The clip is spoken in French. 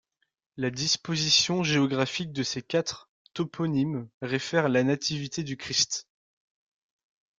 La disposition géographique de ces quatre toponymes réfère à la nativité du Christ.